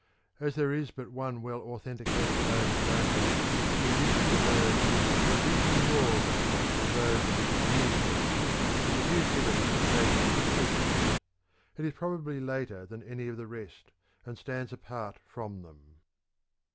— As there is but one well authenticated ode of Dante's in addition to those in the Vita Nuova and those of the Conviv'io group, it is here given for the sake of completeness. It is probably later than any of the rest, and stands apart from them.